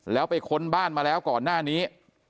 แล้วไปค้นบ้านมาแล้วก่อนหน้านี้